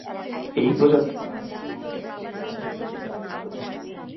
এই প্রজাতির মাছ দৈহিক উচ্চতায় কিছুটা খাটো।